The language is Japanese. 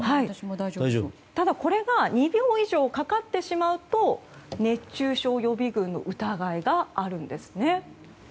ただこれが２秒以上かかってしまうと熱中症予備軍疑いがあるんですね。